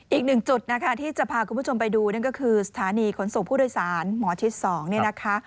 อีกหนึ่งจุดนะคะที่จะพาคุณผู้ชมไปดูนั่นก็คือสถานีขนส่งผู้โดยสารหมอชิด๒เนี่ยนะคะ